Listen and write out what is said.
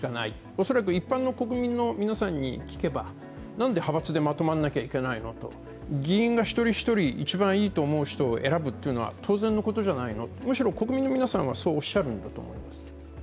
恐らく、一般の国民の皆さんに聞けばなんで派閥でまとまんなきゃいけないの、議員が一人一人一番いいと思う人を選ぶのが当然のことじゃないの、むしろ国民の皆さんはそう、おっしゃるんだと思います。